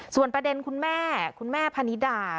ส่วนประเด็นคุณแม่พานีด่า